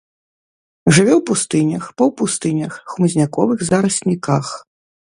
Жыве ў пустынях, паўпустынях, хмызняковых зарасніках.